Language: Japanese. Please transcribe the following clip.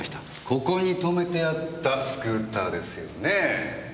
ここに止めてあったスクーターですよね？